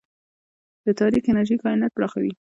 د تاریک انرژي کائنات پراخوي.